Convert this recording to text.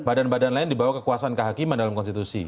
badan badan lain dibawa kekuasaan kehakiman dalam konstitusi